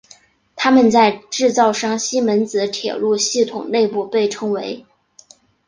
它们在制造商西门子铁路系统内部被称为。